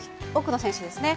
奥の選手ですね。